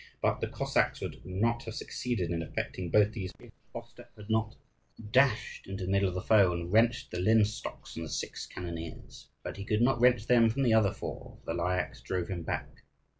But the Cossacks would not have succeeded in effecting both these movements if Ostap had not dashed into the middle of the foe and wrenched the linstocks from six cannoneers. But he could not wrench them from the other four, for the Lyakhs drove him back.